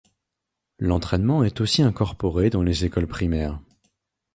L'entraînement est aussi incorporé dans les écoles primaires.